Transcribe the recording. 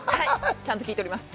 ちゃんと聞いております。